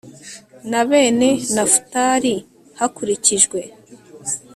na bene nafutali hakurikijwe